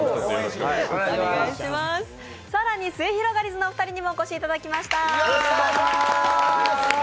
更にすゑひろがりずのお二人にもお越しいただきました。